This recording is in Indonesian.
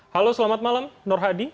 halo selamat malam nur hadi